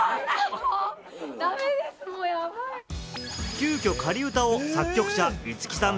急きょ仮歌を作曲者・五木さん